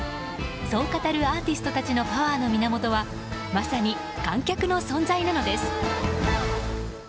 そう語るアーティストたちのパワーの源はまさに観客の存在なのです。